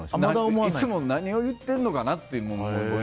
いつも、何を言ってるのかなと。